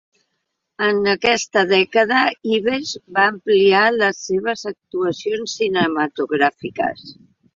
En aquesta dècada Ives va ampliar les seves actuacions cinematogràfiques.